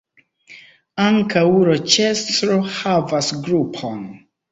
Ankaŭ Roĉestro havas grupon.